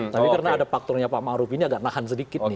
tapi karena ada faktornya pak maruf ini agak menahan sedikit